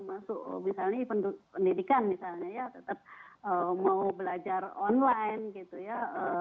misalnya pendidikan tetap mau belajar online gitu ya